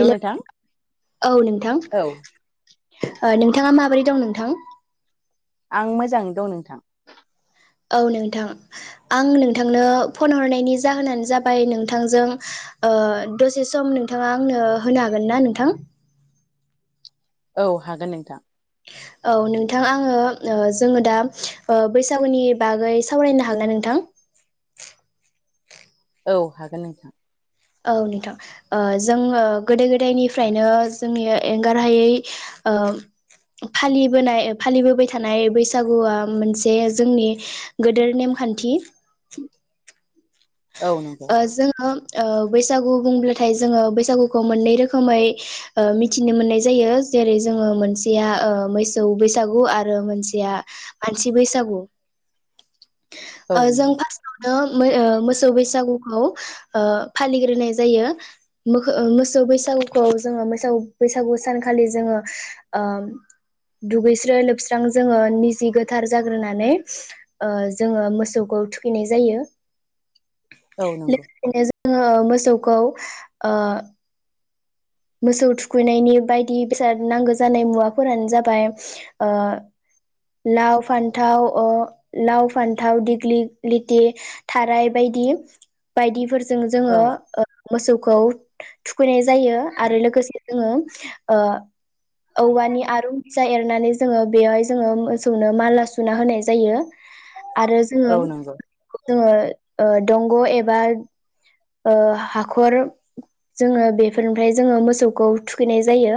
Hello औ औ नोंथां नोंथाङा माबोरै दं नोंथां आं मोजाङैनो दं नोंथां औ नोंथां आं नोंथांनो फन हरनायनि जाहोनानो जाबाय नोंथांजों ओ दसे सम नोंथाङा आंनो होनो हागोन ना नोंथां औ हागोन नोंथां औ नोंथां आङो जोङो दा ओ बैसागुनि बागै सावरायनो हागोनना नोंथां औ हागोन नोंथां औ नोंथां ओ जोङो गोदो गोदायनिफ्रायनो जोंनि एंगारहायै ओ फालिबोनाय फालिबोबाय थानाय बैसागुआ मोनसे जोंनि गोदोर नेमखान्थि औ नंगौ ओ जोङो ओ बैसागु बुंब्लाथाय जोङो बैसागुखौ मोननै रोखोमै ओ मिथिनो मोननाय जायो जेरै जोङो मोनसेया ओ मैसौ बैसागु आरो रो मोनसेया मानसि बैसागु औ ओ जों नंगौ फारस नो मोसौ बैसागुखौ फालिग्रोनाय जायो मोखो मोसौ बैसागुखौ जोङो मोसौ बैसागु सानखालि जोङो ओ दुगैस्रो लोबस्रां जोङो निजि गोथार जाग्रोनानै ओ जोङो मोसौखौ थुखैनाय जायो औ नंगौ लोगोसेनो जोङो मोसौखौ ओ मोसौ थुखैनायनि बायदि बेसाद नांगौ जानाय मुवाफोरानो जाबाय ओ लाव फान्थाव लाव फान्थाव दिग्लिलिथि थाराय बायदि बायदिफोरजों औ जोङो मोसौखौ थुखैनाय जायो आरो लोगोसे जोङो ओ औवानि आरु फिसा एरनानै जोङो बेवहाय जोङो मोसौनो माला सुना होनाय जायो आरो औ जोङो नंगौ जोङो दंग' एबा ओ हाखर जोङो बेफोरनिफ्राय जोङो मोसौखौ थुखैनाय जायो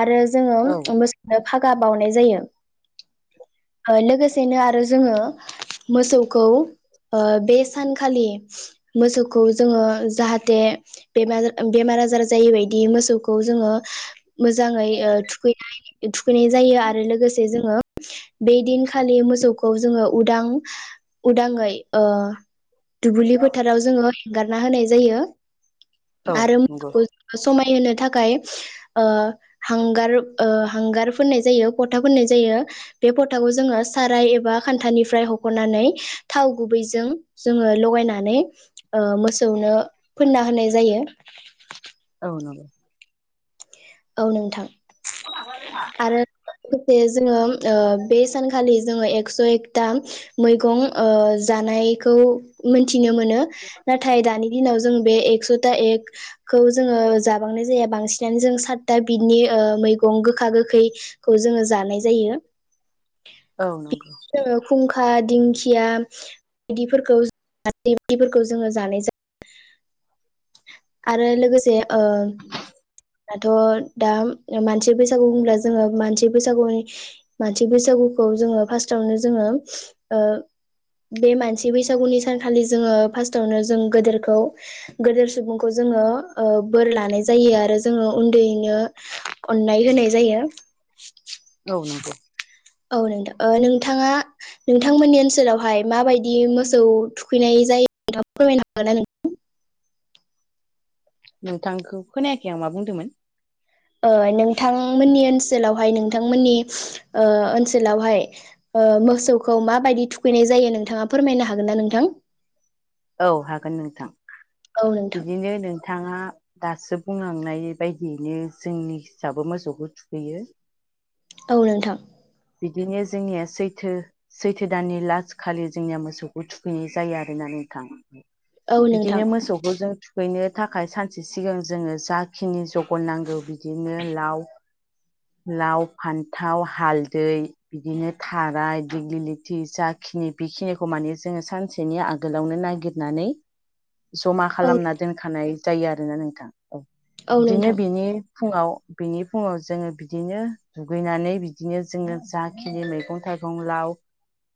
आरो जोङो औ मोसौ फागा बावनाय जायो लोगोसेनो आरो जोङो मोसौखौ ओ बे सानखालि मोसौ खौ जोङो जाहाथे बेम बेमार आजार जाय बायदि मोसौखौ जोङो मोजाङै थुखैनाय थुखैनाय जायो आरो लोगोसे जोङो बे दिनखालि मोसौखौ जोङो उदां उदाङै ओ दुब्लि फोथाराव जोङो एंगारना होनाय जायो औ आरो नंगौ मोसौखौ समायहोनो थाखाय ओ हांगार हांगार फोननाय जायो फथा फुननाय जायो बे फथाखौ जोङो साराय एबा खान्थानिफ्राय हख'नानै थाव गुबैजों जोङो लगायनानै मोसौनो फोनना होनाय जायो औ नों औ नोंथां आरो लोगोसे जोङो बे सानखालि जोङो एक्स' एक दा मैगं ओ जानायखौ मोनथिनो मोनो ना नाथाय दानि दिनाव जों बे एकस'था एकखौ जोङो जाबांनाय जाया बांसिनानो जों सात दा बिनि ओ मैगं गोखा गोखैखौ जोङो जानाय जायो औ नंगौ खुंखा दिंखिया। बिदिफोरखौासफोरखौ जोङो जानाय जायो। आरो लोगोसे दाथ' दा मानसि बैसागु होनब्ला जोङो मानसि बैसागुनि। मानसि बैसागुखौ जोङो फार्स्टावनो जोङो। बे मानसि बैसागुनि सानखालि जोङो फार्स्टआवनो जों गेदेरखौ। गोदेर सुबुंखौ जोङो बोर लानाय जायो आरो। जोङो उन्दैयैनो अननाय होनाय जायो। औ नंगौ। औ नोंथां नोंथाङा। नोंथांमोननि ओनसोलावहाय माबायदि मोसौ थुखैनाय जायो नोंथांखौ फोरमायनो हागोन ना नोंथांखौ खोनायाखै आं मा बुंदोंमोन नोंथांमोननि ओनसोलावहाय नोंथांमोननि ओनसोलावहाय। मोसौखौ माबायदि थुखैनाय जायो नोंथाङा फोरमायनो हागोन ना नोंथां औ हागोन नोंथां औ नोंथां बिदिनो नों बिथाङा दासो बुंलांनाय बायदियैनो जोंनि हिसाबो मोसौखौ थुखैयो। औ नोंथां। बिदिनो जोंनिया सैथो। सैथो दाननि लासखालि जोंनिया मोसौखौ थुखैनाय जायो आरोना नोंथां। औ नोंथां बिदिनो मोसौखौ जों हैनो थाखाय सानसे सिगां जोङो जाखिनि जगार नांगौ बिदिनो लाव लाव फान्थाव हालदै बिदिनो थाराय देग्लि लथि जाखिनि बेखिनिखौ माने जोङो सानसे। बिसनि आगोलावनो नागिरनानै। [inaudible] जमा औ खालामना दोनखानाय जायो आरोोना नोंथां औ औ बिदिनो नोंथां बिनि। फुङाव बिनि फुङाव जोङो बिदिनो दुगैनानै बिदिनो जोङो जाखिनि मैगं थाइगं लाव।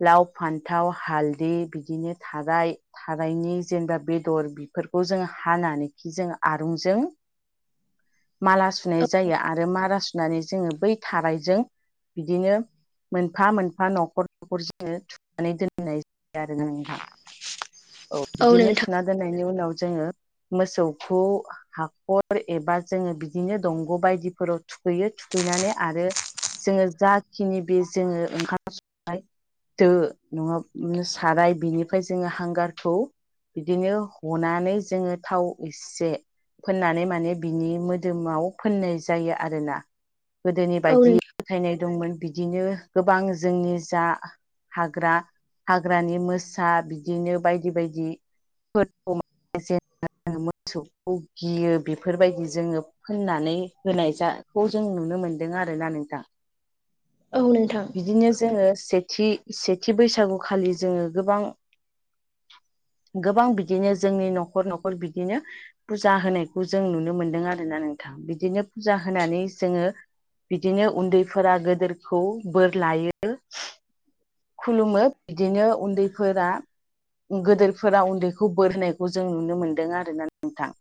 लाव फान्थाव हालदै बिदिनो थाराय थारायनि जेनेबा बेदर बेफोरखौ जों हानानैखि जों आरूंजों। [inaudible] माला सुनाय जायो आरो माला सुनानै जोङो बै थारायजों। बिदिनो मोनफा मोनफा न'खर न'खर जोङो थुनानै दोनो दोननाय जायो आरो नोंथां औ बिदिनो थुना दोननायनि उनाव जोङो। मोसौखौ हाखर एबा जोङो बिदिनो दंग' बायदिफोराव थुखैयो थुखैनानै आरो। जोङो। जाखिनि बे जोङो ओंखाम संनाय दो नङाब साराय बेनि ओमफ्राय जोङो हांगारखौ बिदिनो हनानै जोङो थाव एसे फोननानै माने बिनि मोदोमाव फोननाय जायो आरोना। गोदोनि औ बायदि नोंथां फोथायनाय दंमोन बिदिनो गोबां जोंनि जा हाग्रा हाग्रानि मोसा बिदिनो बायदि बायदिफोरखौ। मोसौखौ गियो बेफोरबायदि जोङो। होननानै होनायखौ जों नुनो मोन्दों आरोना नोंथां। [inaudible] औ नोंथां बिदिनो जोङो सेथि सेथि बैसागुखालि जोङो गोबां। गोबां बिदिनो जोंनि न'खर न'खर बिदिनो फुजा होनायखौ जों नुनो मोनदों आरोना नोंथां बिदिनो फुजा होनानै जोङो बिदिनो उन्दैफोरा गोदोरखौ बोर लायो। खुलुमो बिदिनो उन्दैफोरा। गोदोरफोरा उन्दैखौ बोर होनायखौ जों नुनो मोनदों आरोना नोंथां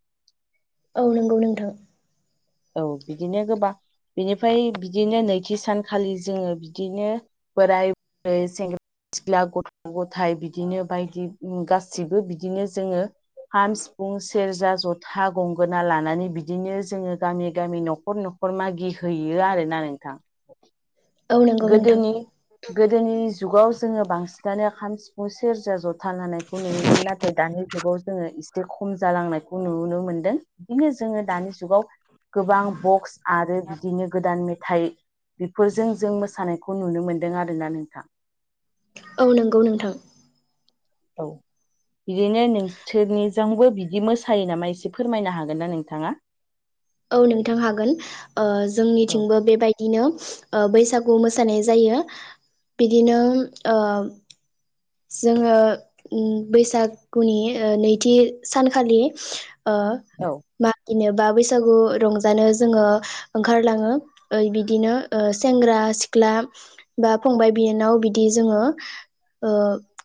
औ नंगौ नोंथां औ बिदिनो गोबां बिनिफ्राय बिदिनो नैथि सानखालि जोङो बिदिनो बोराय बुरै सेंग्रा सिख्ला गथ' गथाइ बिदिनो बायदि गाससिबो बिदिनो जोङो खाम सिफुं सेरजा जथा गंगोना लानानै बिदिनो जोङो गामि गामि न'खर न'खर मागि हैैयो आरोना नोंथां औ नंगौ नोंथां गोदोनि गोदोनि जुगाव जोङो बांसिनानो खाम सिफुं सेरजा जथा लानायखौ नुयोमोन नाथाय दानि जुगाव जोङो एसे खम जालांनायखौ नुनो मोनदों बिदिनो जोङो दानि जुगाव गोबां बक्स आरो बिदिनो गोदान मेथाइ बेफोरजों जों मोसानायखौ नुनो मोन्दों आरोना नोंथां औ नंगौ नोंथां औ बिदिनो नोंसोरनिजोंबो बिदि मोसायो नामा एसे फोरमायनो हागोन ना नोंथाङा औ नोंथां हागोन ओ औ जोंनिथिंबो बेबाय दिनो ओ बैसागु मोसानाय जायो बिदिनो जोङो बैसागुनि नैथि सानखालि औ मागिनोबा बैसागु रंजानो जोङो ओंखारलाङो बिदिनो सेंग्रा सिख्ला बा फंबाय बियानाव बिदि जोङो ओ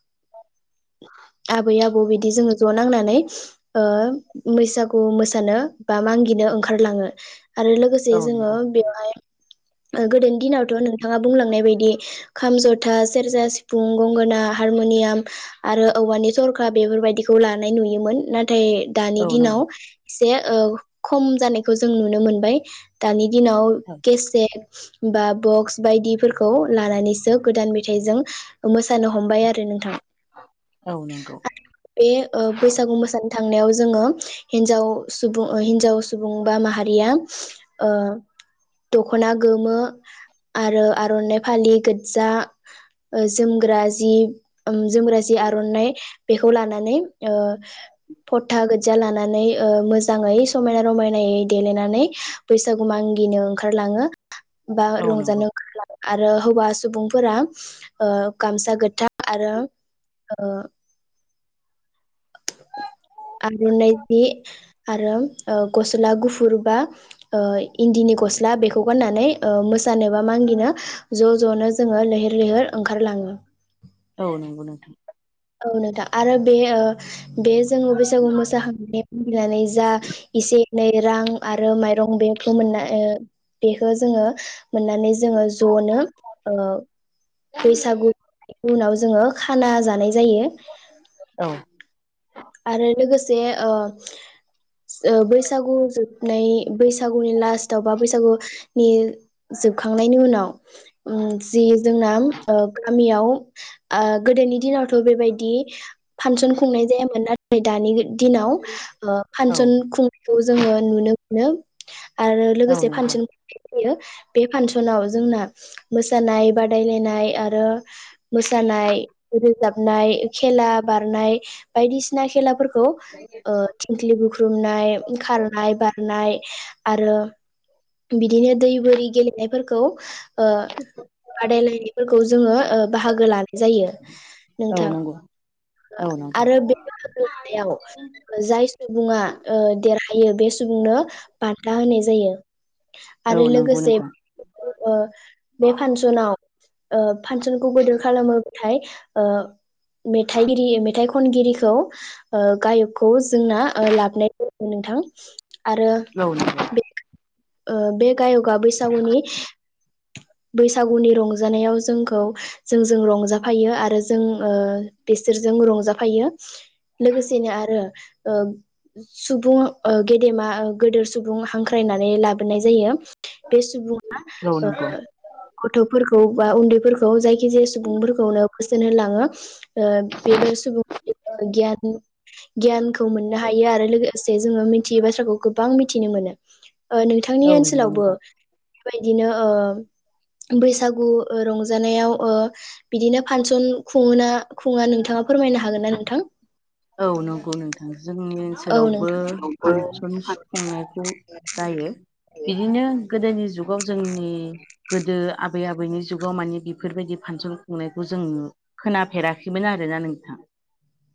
[unintelligible] आबै आबौ बिदि जोङो ज' नांनानै ओ बैसागु मोसानो बा मागिनो ओंखारलाङो आरो लोगोसे औ जोङो नंगौ बेवहाय गोदोनि दिनावथ' नों थाङा बुंलांनाय बायदि खाम जथा सेरजा सिफुं गंगोना हारमनियाम आरो औवानि थरखा बेफोरबायाददिखौ लानाय नुयोमोन नाथाय दानि औ नंगौ दिनाव एसे औ खम जानायखौ जों नुनो मोनबाय दानि दिनाव खेसेद बा बक्स बायदिफोरखौ लानानैसो गोदान मेथाइजों मोसानो हमबाय आरो नोंथां औ नंगौ बे बैसागु मोसानो थांनायाव जोङो हिनजाव सुबुं हिन्जाव सुबुं बा माहारिया ओ दख'ना गोमो आरो आर'नाइ फालि गोज्जा ओ जोमग्रा जि जोमग्रा जि आर'नाइ बेखौ लानानै ओ फथा गोज्जा ओ लानानै मोजाङै समायना रमायनायै देलायनानै बैसागु मागिनो ओंखारलाङो बा औ नंगौ रंजानो ओंखारलाङो आरो हौवा सुबुंफोरा गामसा गोथा आरो ओ आरनाय जि आरो गस्ला गुफुर बा ओ इन्दिनि गस्ला बेखौ गाननानै ओ मोसानो बा मागिनो ज' ज'नो जोङो लैहोर लैहोर ओंखारलाङो औ नंगौ नोंथां औ नोंथां आरो बे बे जोङो बैसागु मोसाखांनानै जा इसे एनै रां आरो माइरं बेग बखौ मोननाय ओ बेखौ जोङो मोननानै जोङो ज'नो बैसागु उनाव जोङो खाना जानाय जायो औ आरो लोगोसे ओ बैसागु जोबनाय बैसागुनि लास्टाव बा बैसागुनि जोबखांनायनि उनाव जि जोंना गोदोनि दिनावथ बेबायदि फांसन खुंनाय जायामोन नाथाय दानि दिनाव औ फांसन खुंनायखौ जोङो नुनो मोनो आरो औ लोगोसे नंगौ फानसन बे फांसनाव जोंना मोसानाय बादायलायनाय आरो मोसानाय रोजाबनाय खेला बारनाय बायदिसिना खेलाफोरखौ ओ थिंख्लि बुख्रुबनाय खारनाय बारनाय आरो बिदिनो दै बोरि गेलेनायफोरखौ बादायलायनायफोरखौ जोङो बाहागो लानाय जायो औ नोंथां नंगौ औ नंगौ आरो बे [unintelligible] जाय सुबुङा देरहैायो बे सुबुंनो बान्था होनाय जायो औ आरो नंगौ लोगोसे नोंथां ओ बे फांसनाव ओ फांसनखौ गोदोर खालामोबाथाय ओ मेथाइगिरि मेथाइ खनगिरिखौ गायकखौ जोंना लाबनाय जायो नोंथां आरो औ नंगौ बे बे गायकआ बैसागुनि बैसागुनि रंजानायाव जोंखौ जों जों रंजाफायो आरो जों बिसोरजों रंजाफायो लोगोसेनो आरो सुबुं गेदेमा गदोर सुबुं हांख्रायनानै लाबोनाय जायो बे सुबुङा औ नंगौ गथ'फोरखौ बा उन्दैफोरखौ जायखि जाया सुबुंफोरखौनो बोसोन होलाङो बेफोर सुबुं गियान गियानखौ मोननो हायो आरो लोगोसे जोङो मिथियै बाथ्राखौ गोबां मिथिनो मोनो नोंथांनि औ नंगौ ओनसोलावबो नोंथां बेबायदिनो ओ बैसागु रंजानायाव ओ बिदिनो फांसन खुङोना खुङो नोंथाङा फोरमायनो हागोनना नोंथां औ नंगौ नोंथां जोंनि औ ओनसोलावबो नोंथां फांसन सुफुंनायखौ जायो बिदिनो गोदोनि जुगाव जोंनि गोदो आबै आबैनि जुगाव मानि बेफोरबायदि फांसन खुंनायखौ जों खोनाफेराखैमोन आरोना नोंथाङ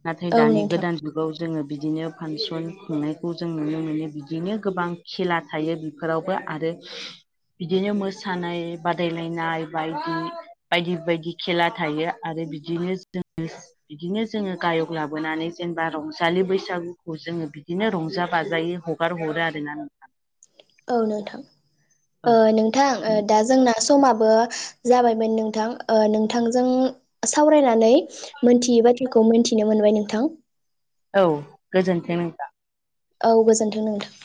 नाथाय औ दानि नोंथां गोदान जुग जोङो बिदिनो फांसन खुंनायखौ जों नुनो मोनो बिदिनो गोबां खेला थायो बेफोरावबो आरो बिदिनो मोसानाय बादायलायनाय बायदि बायदि बायदि खेला थायो आरो बिदिनो जो बिदिनो जोङो गायग लाबोनानै जेनेबा रंजालि बैसागुखौ जोङो बिदिनो रंजा बाजायै हगार हरो आरोना औ औ नोंथां नोंथां दा जोंना समाबो जाबायमोन नोंथां नोंथांजों सावरायनानै मोनथियै बाथ्राखौ मोनथिनो मोनबाय नोंथां औ गोजोनथों नोंथां औ गोजोन्थों नोंथां